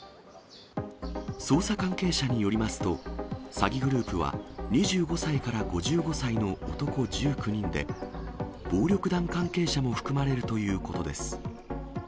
捜査関係者によりますと、詐欺グループは２５歳から５５歳の男１９人で、暴力団関係者も含まれるということです。